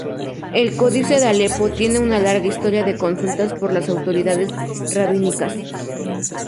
El Códice de Alepo tiene una larga historia de consultas por las autoridades rabínicas.